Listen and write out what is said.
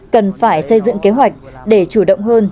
cần phải xây dựng kế hoạch để chủ động hơn